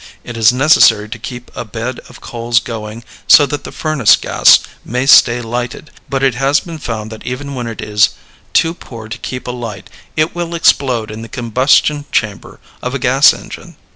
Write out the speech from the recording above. It is necessary to keep a bed of coals going so that the furnace gas may stay lighted. But it has been found that even when it is too poor to keep alight it will explode in the combustion chamber of a gas engine.